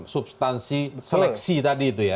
substansi seleksi tadi itu ya